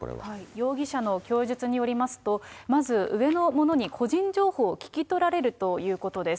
容疑者の供述によりますと、まず、上の者に個人情報を聞き取られるということです。